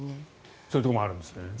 そういうところもあるんですね。